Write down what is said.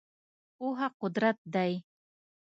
پوهه قدرت دی .